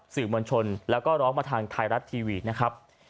สื่อมวลชนแล้วก็ร้องมาทางไทยรัฐทีวีนะครับ